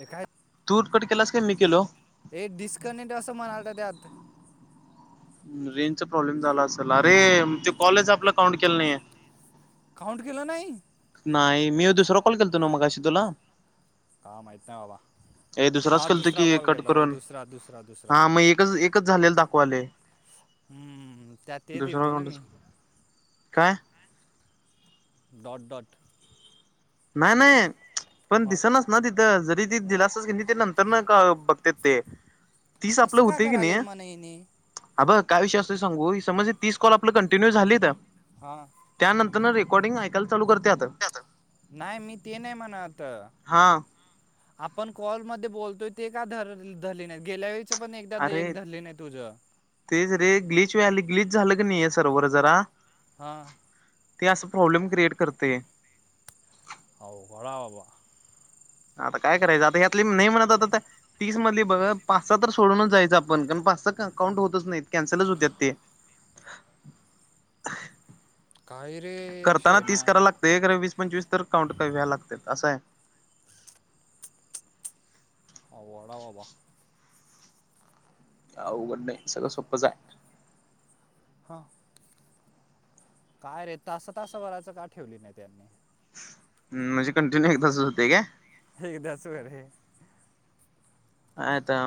ये काय तू कट केलास काय मी केलो? हे डिस्कनेक्ट असं म्हणालत त्यात. हम्म रेंजचा प्रॉब्लेम झाला असेल अरे त्यो कॉलच आपला काउंट केलं नाहीे. काउंट केलं नाही? नाही मी दुसरं कॉल केलतो ना मगाशी तुला? का माहीत नाही बाबा. ए दुसराच हां केलतो दुसरा की कॉल कट केलता भाई करून. दुसरा दुसरा दुसरा. हा मग एकच एकच [unintelligible] झालेलं दाखवालय हम्म, त्यात ते दुसरा दिलतो ना मी. कोणताच काय? डॉट डॉट नाही नाही पण मग दिसनच ना तिथं जरी ती दिलासच की ते नंतरन क बघतेत ते तीस आपलं असं का होतय की करायलेत नाही म्हणा हिने अ बघ काय विषय असतोय सांगू समज तीस कॉल आपलं कंटिन्यू झालीत हा. त्यानंतर रेकॉर्डिंग ऐकायल चालू करत्यात. नाही मी ते नाही म्हणत हा. आपण कॉलमध्ये बोलतोय ते का धर धले नाही. गेल्या वेळच पण एकदा एक अरे धरली नाही तुझं. तेच रे गिल्च व्हायलय गिल्च झालं क नाहीय सर्वर जरा हा. ते असं प्रॉब्लेम क्रिएट करतय. अवघडय आबा आता काय करायचं आता यातली नाही म्हणत होता त्या तीस मधली बघ पाच सहा तर सोडूनच जायचं आपण कारण पाच सहा अकाउंट होतच नाहीत कॅन्सलच होत्यात ते. काय रे करताना तीस शेण्या कराय लागतंय हे वीस पंचवीस तर काउंट व्हाय लागत असं आहे. अवघड आहे बाबा. अवघड नाही सगळं सोपंच आहे. हां. काय रे तासा-तासा भरायचं का ठेवली नाही यांनी. हम म्हणजे कंटिन्यू एकदाच होतय काय. एकदाच होय रे काय आता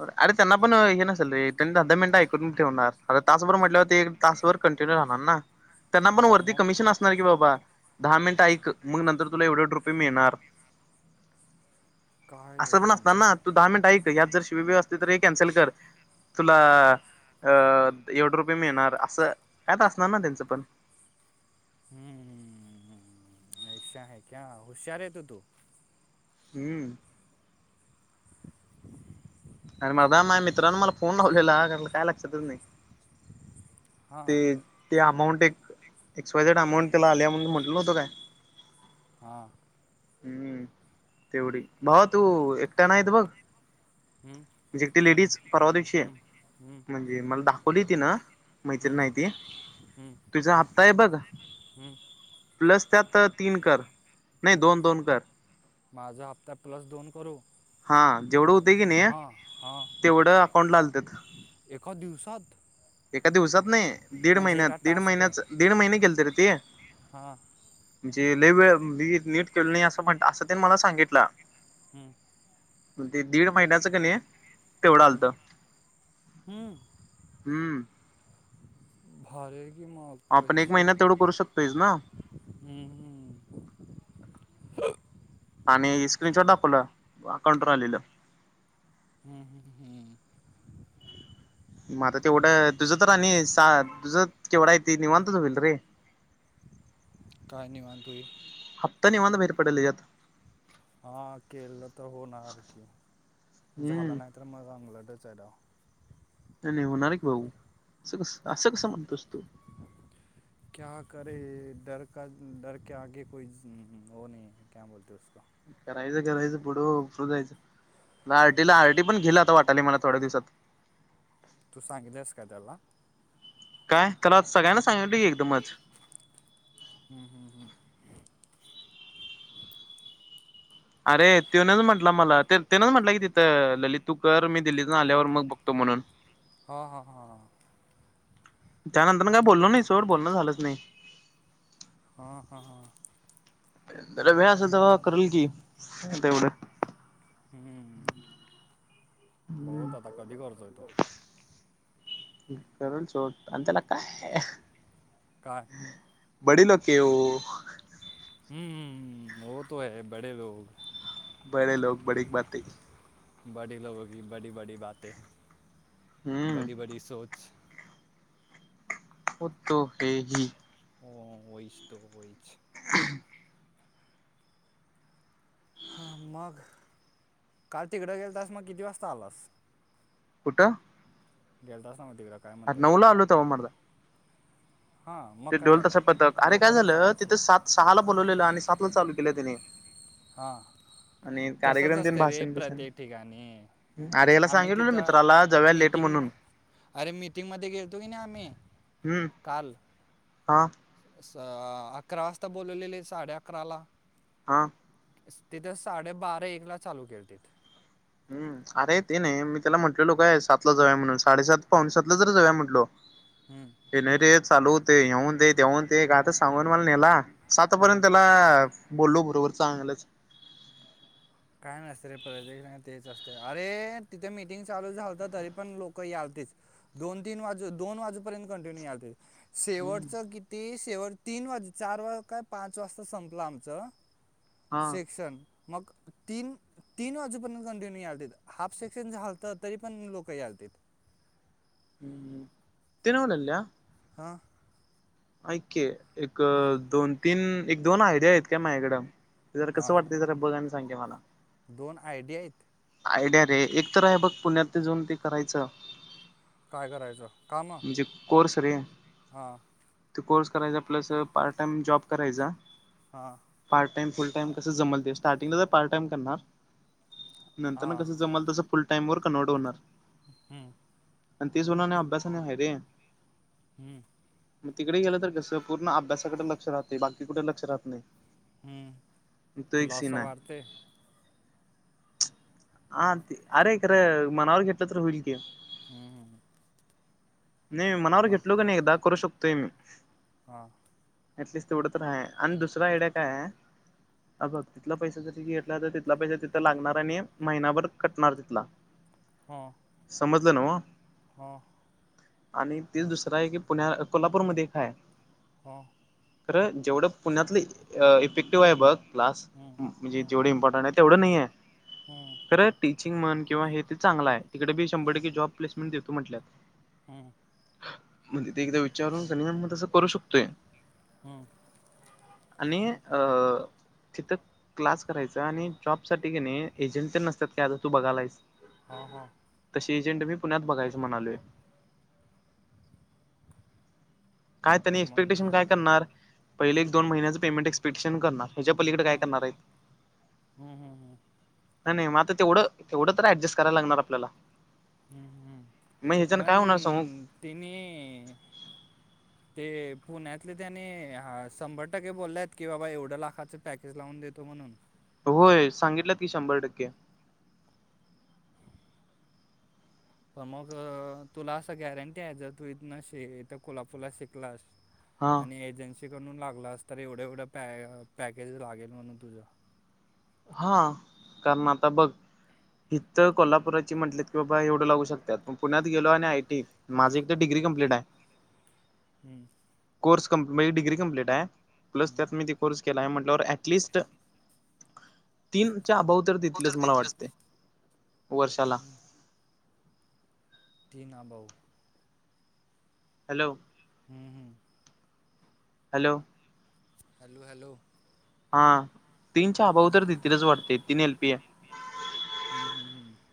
अरे त्यांना पण हे नसेल रे त्यांनी मिनट ऐकून ठेवणार तासभर म्हटल्यावर ते तासभर कंटिन्यू राहणार ना. [inaudible] त्यांना पण वरती मग कमिशन असणार की बाबा दहा मिनट ऐक मग नंतर तुला एवढे एवढ रुपये मिळणार. [inaudible] रे असं पण असणार त्यांचं ना तू दहा मिनिट ऐक यात जर शिवी बीवी असली तर हे कॅन्सल कर. तुला अ एवढ रुपये मिळणार असं कायतर असणार ना त्यांचं पण. हम्मम. [unintelligible] हम्म. अरे मर्दा माझ्या मित्रानं मला फोन लावलेला काय लक्षातच नाही. हा ते ते अमाऊंट एक एक्स वाय झेड अमाऊंट त्याला आल्या म्हणून म्हटलं नव्हतं काय. हा. हम्म तेवढी भावा तू एकट्या नाहीत बघ. हम्म, म्हणजे एकटी लेडीज परवा दिवशी हम्म, हम्म, म्हणजे मला दाखवली तीनं हम्म, मैत्रीण आहे ती हम्म, तुझा हप्ता आहे बघ. हम्म. प्लस त्यात तीन कर नाही दोन-दोन कर. माझा हप्ता प्लस दोन करू. हा जेवढं होत की नाही हा तेवढं अकाउंट आलतेत. एक दिवसात एका दिवसात नाही दीड म्हणजे एका महिन्यात- दीड महिन्यात दीड महिने केल तरे ते. हां. म्हणजे लय वेळ नीट केलो नाही, असं तेन मला सांगितला. हम्म. आणि ते दीड महिन्याचं कणी. तेवढं हम्म आलत हम्म. हम्म. भारी आहे की, मग आपण एक पैसे महिन्यात तेवढं करू शकतोयस ना हं हं. आणि स्क्रीन शॉट दाखवला, अकाउंट वर आलेलं. हम्म हम्म हम्म. मग आता तेवढं तुझं तर, आणि सा तुझं केवढ आहे ते निवांतच होईल रे. काय निवांत होईल. हप्ता निवांत बाहेर पडेल यात. हा केलं तर होणार की, हम्म झालं नाही तर मग अंगलटच आहे डाव. ते लिहोणार की भाऊ असं कसं, असं कसं म्हणतोस तु. क्या करे डर के आगे कोई वो नही क्या बोलते उसको. [unintelligible] करायचं करायचं पुढं पुढं जायचं, आरटीला आरटी पण घेलं आस वाटाल मला थोड्या दिवसांत. तू सांगिल्यास काय त्याला. काय त्याला सगळ्यांना सांगितलोय की एकदमच. हम हम हम. अरे तेनच म्हटला मला तेनंच म्हटलं की तिथं, ललित तू कर मी दिल्लीतून आल्यावर मग बघतो म्हणून. हा हा हा. त्यानंतर काय बोलण नाही सोड, बोलणं झालंच नाही. हां हां हां. त्यांला वेळ असलं तवा, करल की तेवढं. हम्म. हम्म बघ आता, कधी करतोय तो. करूल सोड, आणि त्याला काय. काय? बडीलोक ये ओ. [unintelligible] हम हम हम. वो तो है बडेे लोग. [unintelligible] बडे लोग बडीेक बाते. [unintelligible] बडेे लोगो की ब़डी ब़डी बाते हम्म ब़डी ब़डी सोच. [unintelligible] वो तो हे ही. [unintelligible] हो वईच तो वईच. [unintelligible] [inaudible] हा मग काल तिकडं गेलं तास, मग किती वाजता आलास. कुठं? गेलतास नवं तिकडं. काय अरे म्हणतात ते नऊला आलो तवा मर्दा. हां मग ते काय ढोल तसं पथक झालं अरे काय लवकरच झालं आलास तिथं, ते सात सहाला बोलवलेलं. आणि सातला चालू केल्यात हेनी. हा तसंच असतंय रे, भाषण बिषण प्रत्येक ठिकाणी. अरे याला आम्ही सांगितलेलं मित्राला तिथं जाऊया लेट मिटिंग. म्हणून अरे मिटिंग मध्ये गेलतो, कणी आम्ही हम्म काल. हा स अकरा वाजता बोलवलेले साडे अकराला. हां तिथं साडेबारा एकला चालू केलतीत. हम्म अरे ते नाही मी त्याला म्हटलेलो काय सातला जावूया म्हणून साडेसात पाऊणेसातला तरी जावुया म्हंटलो. हम्म. ये नाही रे चालू होतंय. [unintelligible] ते ग आता सांगून मला नेला, हम्म. सातपर्यंत त्याला बोललो बरोबर चांगलंच. काय नसतंय रे प्रत्येकाच तेच असतंय. अरे तिथे मीटिंग चालू झालता तरी पण लोक यालतीत. दोन तीन वाजु दोन वाजेपर्यंत कंटिन्यू यालतीत. हम्म शेवटचं कित ते शेवट तीन वाजे चार वाज काय पाच वाजता संपलं आमचं. हा सेक्शन मग तीन तीन वाजूपर्यत कंटिन्यू यालतीत. हाफ सेक्शन झालतं, तरी पण लोकं यालतीत. हम्म ते न्हवं टल्या हा. ऐक की एक बोल दोन तीन एक दोन आयडिया आहेत काय माझ्याकडं. ते जरा कसं हां वाटतंय जरा बघ आणि सांग की मला. दोन आयडिया आहेत. आयडिया रे. एक तर हे बघ पुण्यात ते जाऊन ते करायचं. काय करायचं? काम जे कोर्स रे हा. ते कोर्स करायचा प्लस पार्ट टाईम जॉब करायचा. हा. पार्ट टाइम फुल टाइम कसं जमल ते, स्टार्टिंगला तर पार्ट टाइम करणार. नंतरनं हां कसं जमल तसं फुल टाइमवर कन्व्हर्ट होणार. हम्म. आणि ते सोडून अभ्यास अणि हाय रे. हम्म. मग तिकडे गेलं तर कसं पूर्ण अभ्यासाकडे लक्ष राहतंय बाकी कुठे लक्ष राहत हम्म. नाही. तो एक तुला सीन असं आहे. वाटते हा ते अरे खरं मनावर घेतलं तर होईल की. हम्म हम्म. नाही मनावर मग घेतलो की नाही एकदा करू शकतोय मी. हां ऍटलीस्ट तेवढं तर हाय आणि दुसरा आयड्या काय आहे अ बघ तिथला पैसा जरी घेतला, तर तिथला पैसा तिथं लागणार आणि महिनाभर कटणार तिथला. हा. समजल न्हवं? हा. आणि तेच दुसरं आहे की पुण्या कोल्हापूरमध्ये एक हाय. हा. खरं जेवढं पुण्यातलं अ इफेक्टिव्ह आहे बघ क्लास हम्म, म्हणजे हम्म, जेवढं इम्पॉर्टंट आहेत. तेवढं नाहीये. हम्म, खरं टिचींग म्हण किंवा हे ते चांगलं आहे. तिकडे बी शंभर हम्म, टक्के जॉब प्लेसमेंट देतो म्हंटल्यात. हम्म. म्हणजे ते एकदा विचारून कनई मग तसं करू शकतोय. हम्म. आणि अ तिथं क्लास करायचा आणि जॉबसाठी कनई एजंट तेन नसत्यात काय आता तू बघायलायस हा हा. तशी एजेंट मी पुण्यात बघाचं म्हणालोय. काय त्यांनी मग एक्सपेक्टेशन हां काय करणार. पहिले एक दोन महिन्याचे पेमेंट एक्स्पेटेशन करणार, हेच्या पलीकडे काय करणार आहेत. हम्म हम्म हम्म. नाही, नाही. मग आता तेवढं, तेवढं तर ऍडजस्ट करायला लागणार आपल्याला. हम्म हम्म, मग ह्याच्यान काय होणार सांगू पण तिन्ही. ते पुण्यातले त्याने शंभर टक्के बोल्यात की, बाबा एवढं लाखाचं पॅकेज लावून देतो म्हणून. होय सांगितल्यात की, शंभर टक्के. पण मग तुला असं गॅरंटी आहे जर, तू इथनं श इथं कोल्हापूरला शिकलास. हा आणि एजन्सीकडून लागलास तर, एवढं एवढं पॅ, पॅकेज लागेल म्हणून तुझं. हा, कारण आता बघ. इथं कोल्हापुराची म्हटलेत की, बाबा एवढं लागू शकत्यात. पुण्यात गेलो आणि आयटी, माझी एक तर डिग्री कम्पलीट हाय. हम्म. कोर्स कंप माझी डिग्री कम्प्लीट हाय, प्लस हम्म. त्यात मी ते कोर्स केलाय म्हटल्यावर ॲट लीस्ट. तीनच्या अबाव तर हो देतीलच मला तिथलंच वाटते, वर्षाला. तीन अबाव. हॅलो. हम्म हम्म. हॅलो. Hello hello. हा तीनच्या अबाव तर देतीलच वाटते, तीन एल पी ए. हम्म, हम्म, हम्म.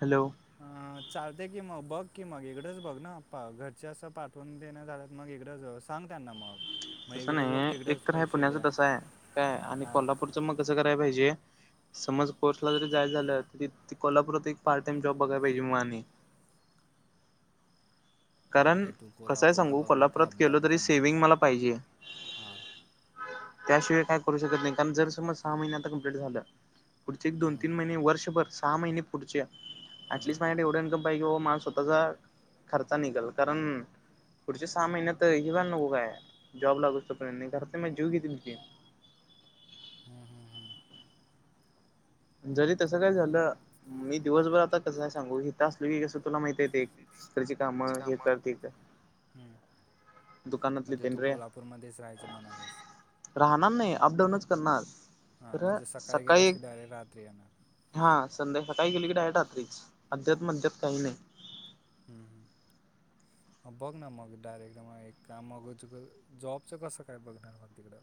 हॅलो. अ चालते की मग, बघ की मग, इकडंच बघ ना आप्पा, घरचे असं पाठवून देईना झालेत मग इकडंच. सांग त्यांना मग. मग तसं इकडंच बघ नाही एक तिकडंच तर हे पैसे पुण्याच द्या तसं आहे, काय आणि हां कोल्हापूरच मग कसं कराय पाहिजे. समज कोर्सला जरी जाय झालं, तरी कोल्हापुरात एक पार्ट टाइम जॉब बघायला पाहिजे मग आणि. कारण म्हणजे तू कस आहे कोल्हापूरला सांगू, बघणार का कोल्हापुरात केल अपडाऊन तरी करणार सेविंग मला पाहिजे. हां त्याशिवाय काय करू शकत नाही, कारण जर समज सहा महिने आता कम्प्लीट झालं. पुढचे दोन हं, तीन महिने, वर्षभर, सहा महिने पुढच्या, हं, अटलिस्ट माझ्याकडे एवढं पाहिजे ओ माझा स्वतःचा निघेल, कारण पुढच्या सहा महिन्यात घेऊया नको काय, जॉब लागोस तोपर्यंत, घरातले माझे जीव घेतील की. हम्म, हम्म, हम्म. जरी तसं काय झालं, मी दिवसभर आता कसं काय सांगू, हितं असलो की कसं तुला माहती ते. हिकडची काम, हे कामं कर, ते कर. हं. दुकानातली म्हणजे तू तेंडरे कोल्हापूरमध्येच राहायचं म्हणालास. राहणार नाही, अपडाऊनच करणार. हां खरं म्हणजे सकाळी गेलास की एक डायरेक्ट रात्री येणार. हा, संध्या सकाळी गेली की डायरेक्ट रात्रीच. अद्यात मध्यात काही नाही. हम्म. ह बघ ना मग, डायरेक्ट मग एक काम मागूच तर, जॉबचं कसं काय बघणार मग तिकडं?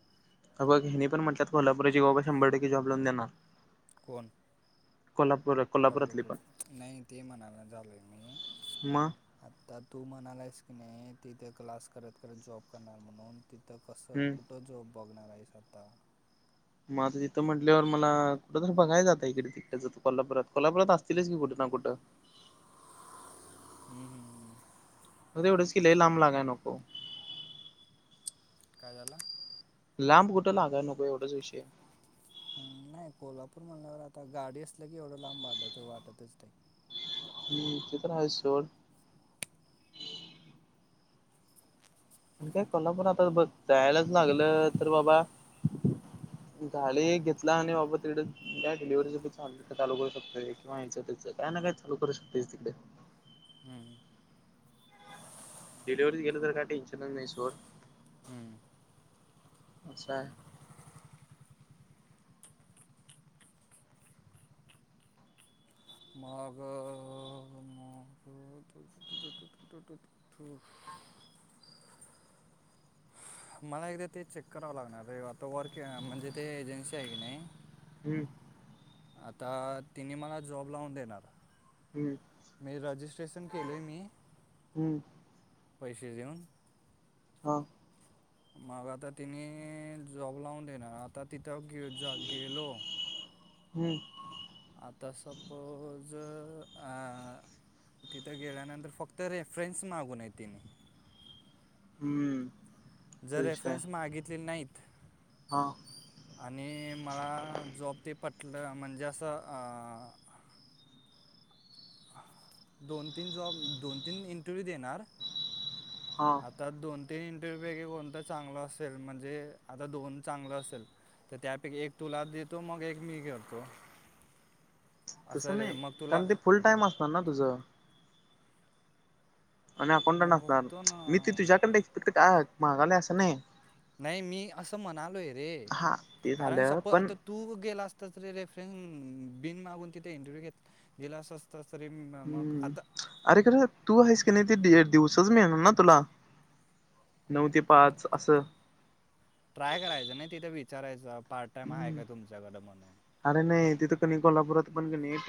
हे बघ, मी पण म्हटलं, कोल्हापुराची बाबा शंभर टक्के जॉब लाऊन देणार. कोण? कोल्हापुरात. कोल्हापूर, नाही ते म्हणायला झालोय मी मग आता तू म्हणालायस की नाही, तिथे क्लास करत करत जॉब करणार म्हणून तर कसं हम्म कुठं जॉब बघणार आहेस आता? मग आता तिथं म्हंटल्यावर मला, कुठं तर बघाय जातंय इकडे. त्याच कोल्हापरात, कोल्हापुरात असतीलच की कुठं ना कुठं. हम हम. हो तेवढंच केलंय, लांब लागायला नको. काय झाला? लांब कुठ लागाय नको एवढाच विषय आहे. हम्म, नाही कोल्हापूर म्हणल्यावर आता गाडी असल्या की एवढं लांब वाटतं, वाटतच ते. हम्म, ते तर आहेच सोड. मग काय कोल्हापुरातच बघ, जायलाच लागलं तर बाबा. [unintelligible] गाडी घेतला आणि बाबा तिकडं, त्याच डिलिव्हरी [inaudible] चालू, चालू करू शकतोय. [inaudible] त्याच, काय ना काय चालू करू शकतोय तिकडे. [unintelligible] डिलिव्हरी गेले तरी काही टेन्शन नाही सोड. हम्म. मग, मग, तुझं तू, टू, टू, टू तू. मला एकदा ते चेक करावं लागणार आहे. आता वर्क म्हणजे ते एजन्सी आहे की नाही. हम्म. आता तिने मला जॉब लावून देणार. हम्म मी रजिस्ट्रेशन केलय मी. हम्म. पैसे देऊन. हां. [unintelligible] मग आता तिने जॉब लावून देणार, आता तिथं गेलो. हम्म. आता सपोज, आ तिथं गेल्यानंतर फक्त रेफरन्स मागू नये तिने. हम्म. तो जर विषय आहे रेफरन्स मागितले नाहीत. हा. आणि मला जॉब ते पटलं म्हणजे असं अ दोन-तीन जॉब, दोन-तीन इंटरव्यू देणार. हा. तर दोन-तीन इंटरव्हूपैकी कोणतं चांगलं असेल म्हणजे आता दोन चांगलं असेल. तर त्यापैकी एक तुला देतो, मग एक मी घेतो. तस नाही, कारण ते फुल टाईम असणार ना तुझं. आणि अकाउंटंट मग असणार, बघतो मी ते ना तुझ्याकंडे एक्सपेक्ट का मागायलय असं नाही. नाही मी असं म्हणालोय रे, हा ते कारण झालं सपोज पण आता तू गेला असता तरी रेफरनस, बिन मागून तिथे इंटरव्ह्यू घेतात. गेला असतास तरी म मग हम्म आता. अरे खरे तू आहेस की नाही ते दि, दिवसाचं मिळणार ना तुला. नऊ ते पाच असं. ट्राय करायचं ना, तिथं विचारायचं, पार्ट टाइम आहे हम्म का तुमच्याकडं म्हणून. अरे नाही, तिथं का नाही, कोल्हापुरात पण का नाही.